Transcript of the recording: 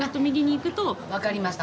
わかりました。